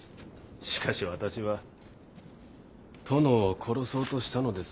しかし私は殿を殺そうとしたのですよ。